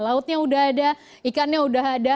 lautnya sudah ada ikannya sudah ada